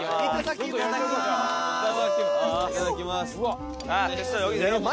いただきます！